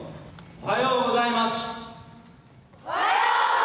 おはようございます。